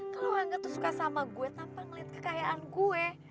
kalau hangga tuh suka sama gue tanpa ngeliat kekayaan gue